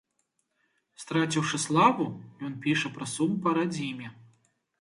Страціўшы славу, ён піша пра сум па радзіме.